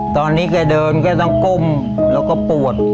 ตอนนี้แกเดินแกต้องก้มแล้วก็ปวด